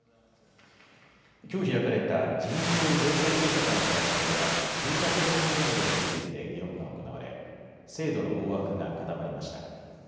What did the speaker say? きょう開かれた自民党税制調査会の会合では住宅ローン減税について議論が行われ制度の大枠が固まりました。